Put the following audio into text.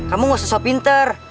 kamu gak usah soal pinter